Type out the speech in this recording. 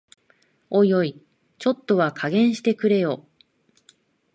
おいおい、ちょっとは加減してくれよ